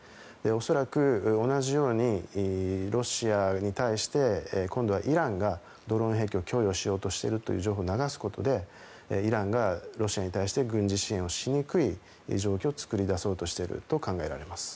恐らく同じようにロシアに対して今度はイランがドローン兵器を供与しようとしているという情報を流すことでイランがロシアに対して軍事支援をしにくい状況を作り出そうとしていると考えられます。